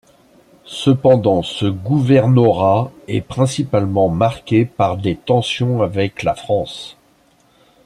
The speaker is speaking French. Cependant, ce gouvernorat est principalement marqué par des tensions avec la France.